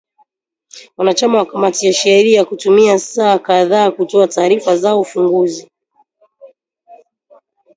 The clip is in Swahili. wanachama wa kamati ya sheria kutumia saa kadhaa kutoa taarifa zao ufunguzi